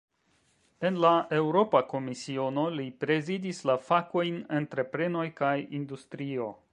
En la Eŭropa Komisiono, li prezidis la fakojn "entreprenoj kaj industrio".